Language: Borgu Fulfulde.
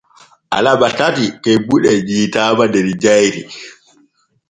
Alabe tati kebude yiitaama der jayri.